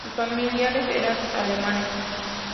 Sus familiares eran alemanes.